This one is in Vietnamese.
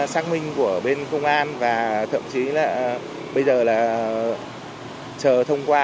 xác minh của bên công an và thậm chí là bây giờ là chờ thông qua